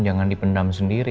jangan dipendam sendiri